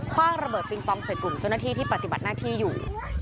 ว่างระเบิดปิงปองใส่กลุ่มเจ้าหน้าที่ที่ปฏิบัติหน้าที่อยู่